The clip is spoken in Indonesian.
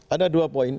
ada dua poin